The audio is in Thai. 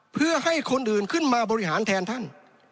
เพื่อให้คนอื่นขึ้นมาบริหารแทนท่าน